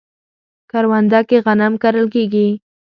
کرونده کې غنم کرل کیږي